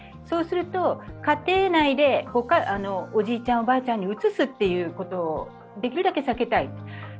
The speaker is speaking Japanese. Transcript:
そうすると家庭内でおじいちゃん、おばあちゃんにうつすということをできるだけ避けたい。